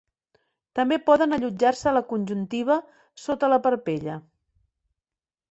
També poden allotjar-se a la conjuntiva sota la parpella.